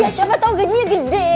iya siapa tau gajinya gede